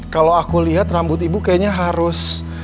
kalau aku lihat rambut ibu kayaknya harus